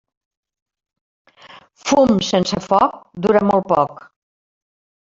Fum sense foc dura molt poc.